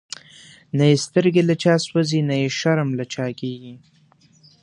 نه یی سترگی له چا سوځی، نه یی شرم له چا کیږی